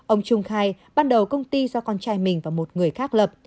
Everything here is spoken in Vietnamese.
ông trung khai ban đầu công ty do con trai mình và một người khác lập